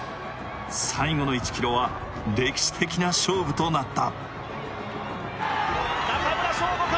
最後の１ｋｍは歴史的な勝負となった。